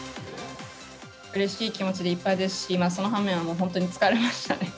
うれしい気持ちでいっぱいですし、その半面、本当に疲れましたね。